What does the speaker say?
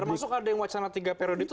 termasuk ada yang wacana tiga periode itu